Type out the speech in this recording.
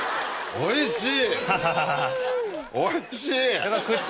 おいしい！